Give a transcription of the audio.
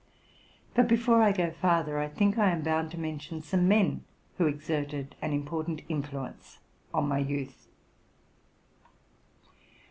But, before I go farther, I think I am bound to mention some men who exerted an important influence on my youth.